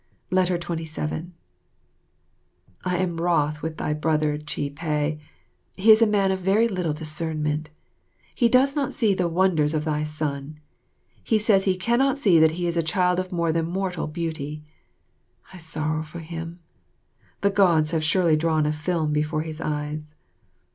27 I am wroth with thy brother Chih peh. He is a man of very small discernment. He does not see the wonders of thy son. He says he cannot see that he is a child of more than mortal beauty. I sorrow for him. The Gods have surely drawn a film before his eyes.